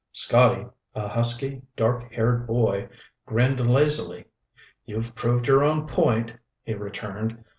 Scotty, a husky, dark haired boy, grinned lazily. "You've proved your own point," he returned.